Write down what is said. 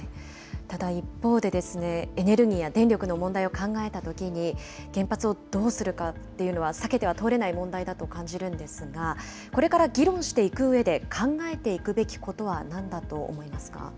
ただ、一方で、エネルギーや電力の問題を考えたときに、原発をどうするかっていうのは、避けては通れない問題と感じるんですが、これから議論していくうえで考えていくべきことはなんだと思いますか。